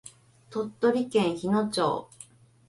鳥取県日野町